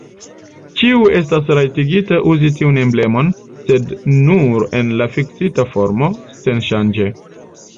Ĉiu estas rajtigita uzi tiun emblemon, sed nur en la fiksita formo, senŝanĝe.